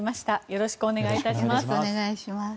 よろしくお願いします。